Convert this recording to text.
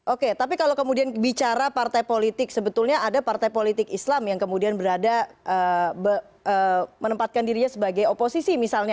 oke tapi kalau kemudian bicara partai politik sebetulnya ada partai politik islam yang kemudian berada menempatkan dirinya sebagai oposisi misalnya